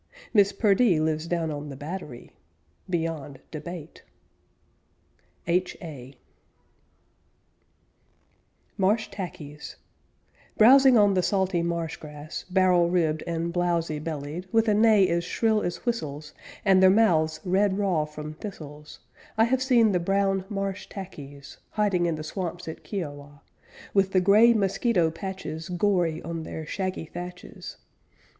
Miss Perdee lives down on the Battery! Beyond debate. H.A. MARSH TACKIES Browsing on the salty marsh grass, Barrel ribbed and blowsy bellied, With a neigh as shrill as whistles And their mouths red raw from thistles, I have seen the brown marsh tackies, Hiding in the swamps at Kiawah, With the gray mosquito patches Gory on their shaggy thatches.